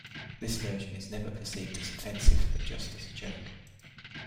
This version is never perceived as offensive, but just as a joke.